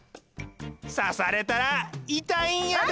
さされたらいたいんやで！